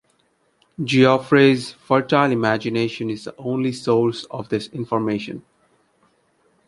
Geoffrey's fertile imagination is the only source of this information.